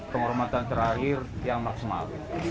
penghormatan terakhir yang maksimal